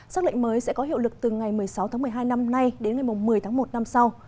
xác lệnh mới sẽ có hiệu lực từ ngày một mươi sáu tháng một mươi hai năm nay đến ngày một mươi tháng một năm sau